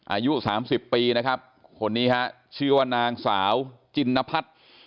อายุสามสิบปีนะครับคนนี้ฮะชื่อว่านางสาวจินนพัฒน์